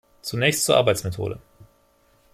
Zunächst zur Arbeitsmethode.